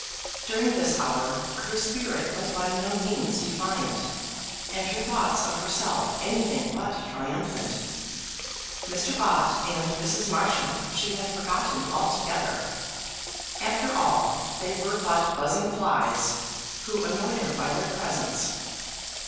During this hour her spirit was by no means defiant, and her thoughts of herself anything but triumphant. Mr. Bott and Mrs. Marsham she had forgotten altogether. After all, they were but buzzing flies, who annoyed her by their presence.